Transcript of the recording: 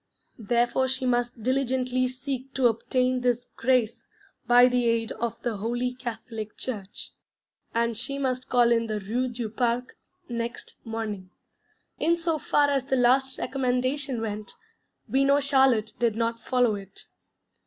Therefore she must diligently seek to obtain this grace by the aid of the Holy Catholic Church and she must call in the Rue du Parc next morning. In so far as the last recommendation went, we know Charlotte did not follow it.